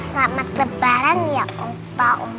selamat lebaran ya opa oma